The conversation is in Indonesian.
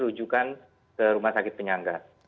rujukan ke rumah sakit penyangga